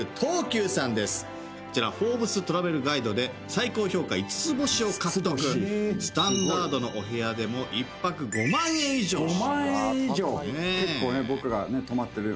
こちらフォーブストラベルガイドで最高評価５つ星を獲得しスタンダードのお部屋でも１泊５万円以上します。